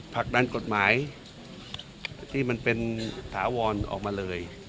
ผลักดันกฎหมายที่มันเป็นถาวรออกมาเลย